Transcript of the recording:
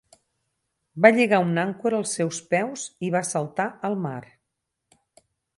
Va lligar una àncora als seus peus i va saltar al mar.